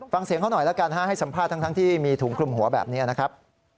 ฟังเสียงเขาหน่อยแล้วกันให้สัมภาษณ์ทั้งที่มีถุงคลุมหัวแบบนี้นะครับ